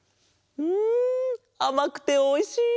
んあまくておいしい！